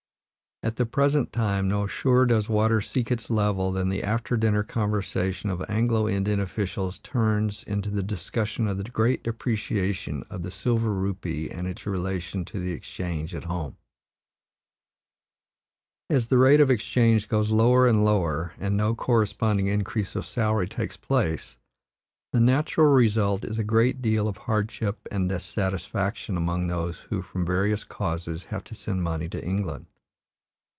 At the present time, no surer does water seek its level than the after dinner conversation of Anglo Indian officials turns into the discussion of the great depreciation of the silver rupee and its relation to the exchange at home. As the rate of exchange goes lower and lower, and no corresponding increase of salary takes place, the natural result is a great deal of hardship and dissatisfaction among those who, from various causes, have to send money to England.